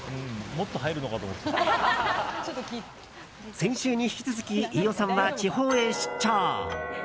先週に引き続き飯尾さんは地方へ出張。